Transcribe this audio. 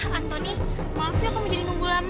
anthony maaf ya kamu jadi nunggu lama